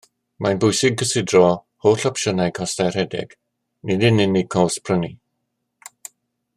Mae'n bwysig cysidro holl opsiynau costau rhedeg, nid yn unig cost prynu